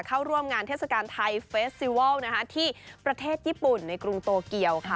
เข้าร่วมงานเทศกาลไทยเฟสติวัลที่ประเทศญี่ปุ่นในกรุงโตเกียวค่ะ